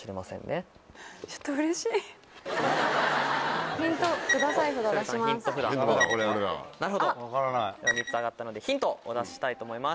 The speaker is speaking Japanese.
では３つ上がったのでヒントお出ししたいと思います。